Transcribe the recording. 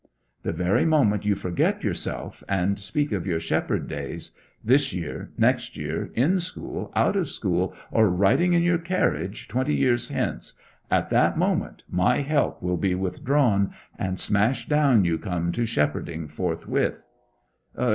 'The very moment you forget yourself, and speak of your shepherd days this year, next year, in school, out of school, or riding in your carriage twenty years hence at that moment my help will be withdrawn, and smash down you come to shepherding forthwith.